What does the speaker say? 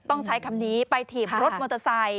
ต้องใช้คำนี้ไปถีบรถมอเตอร์ไซค